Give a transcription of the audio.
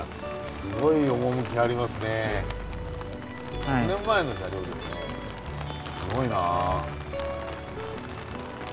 すごいな。